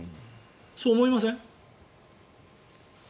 そう思いません？